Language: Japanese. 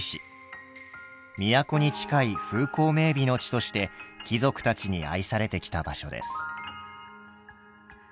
都に近い風光明美の地として貴族たちに愛されてきた場所です。